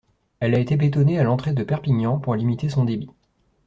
Elle a été bétonnée à l'entrée de Perpignan pour limiter son débit.